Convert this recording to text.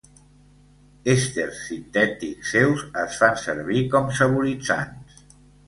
Èsters sintètics seus es fan servir com saboritzants.